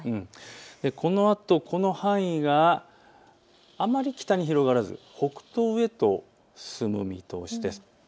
このあと、この範囲があまり北に広がらず北東へと進む見通しです。